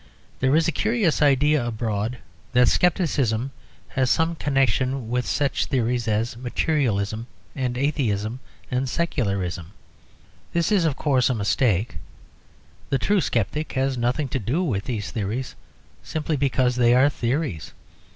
There is a curious idea abroad that scepticism has some connection with such theories as materialism and atheism and secularism. This is of course a mistake; the true sceptic has nothing to do with these theories simply because they are theories.